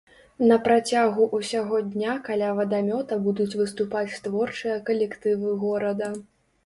На працягу ўсяго дня каля вадамёта будуць выступаць творчыя калектывы горада.